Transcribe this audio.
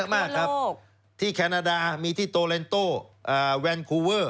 มากครับที่แคนาดามีที่โตเลนโต้แวนคูเวอร์